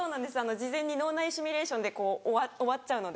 事前に脳内シミュレーションで終わっちゃうので。